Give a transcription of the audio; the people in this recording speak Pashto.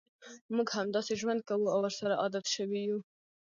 موږ همداسې ژوند کوو او ورسره عادت شوي یوو.